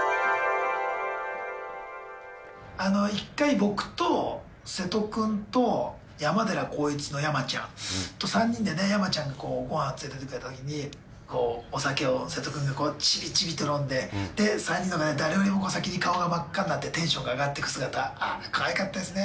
一回、僕と瀬戸君と山寺宏一の山ちゃんがごはん連れていってくれたときに、お酒を瀬戸君がちびちびと飲んで、３人の中で誰よりも先に顔が真っ赤になって、テンションが上がっていく姿、あれ、かわいかったですね。